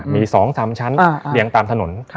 มี๒๓ชั้นเรียงตามถนน